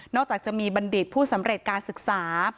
จากจะมีบัณฑิตผู้สำเร็จการศึกษา